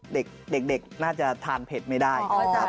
เด็กน่าจะทานเผ็ดไม่ได้